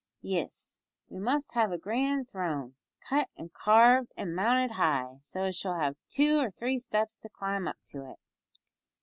Yis, we must have a grand throne, cut, an' carved, an' mounted high, so as she'll have two or three steps to climb up to it."